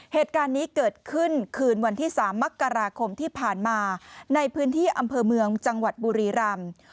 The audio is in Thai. เหตุการณ์นี้เกิดขึ้นคืนวันที่๓มกราคมที่ผ่านมาในพื้นที่อำเภอเมืองจังหวัดบุรีรำ